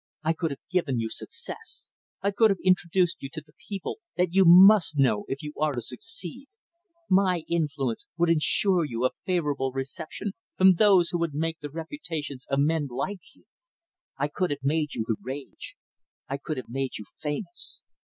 I could have given you success. I could have introduced you to the people that you must know if you are to succeed. My influence would insure you a favorable reception from those who make the reputations of men like you. I could have made you the rage. I could have made you famous.